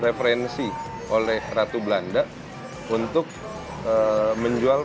referensi oleh ratu belanda untuk menjual